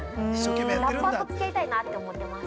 ラッパーとつき合いたいなって思ってます。